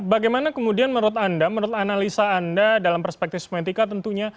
bagaimana kemudian menurut anda menurut analisa anda dalam perspektif sementika tentunya